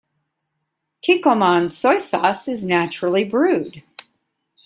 Kikkoman soy sauce is naturally brewed.